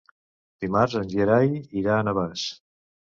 Dimarts en Gerai irà a Navàs.